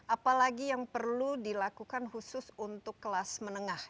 apalagi yang perlu dilakukan khusus untuk kelas menengah